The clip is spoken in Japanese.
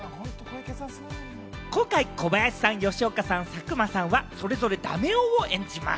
今回、小林さん、吉岡さん、作間さんは、それぞれダメ男を演じます。